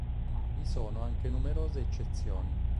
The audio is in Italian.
Vi sono anche numerose eccezioni.